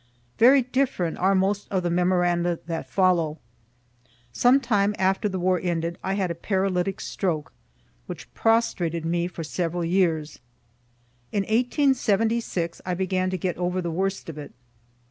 Very different are most of the memoranda that follow. Some time after the war ended I had a paralytic stroke, which prostrated me for several years. In 1876 I began to get over the worst of it.